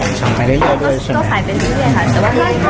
ภายในชริมภาพประชาติในรัฐตะวันเก็บมือหลังครอบครัวนี้